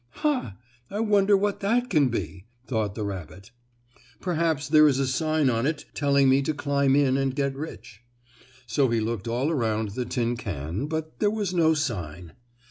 "Ha! I wonder what that can be?" thought the rabbit. "Perhaps there is a sign on it telling me to climb in and get rich." So he looked all around the tin can, but there was no sign.